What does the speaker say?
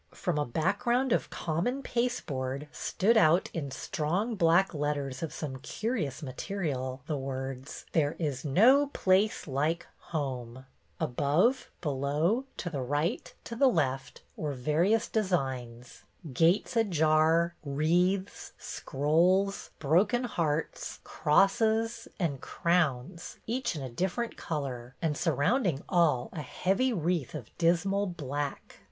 From a background of common pasteboard stood out in strong black letters of some curious material, the words, " There is no place like Home ;" above, below, to the JANE'S "SEED PICTER " 197 right, to the left, were various designs: gates ajar, wreaths, scrolls, broken hearts, crosses and crowns, each in a different color, and surrounding all a heavy wreath of dismal black.